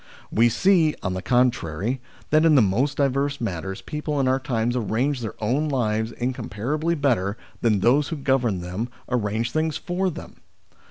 We see, on the contrary, that in the most diverse matters people in our times arrange their own lives incomparably better than those who govern them arrange things for them.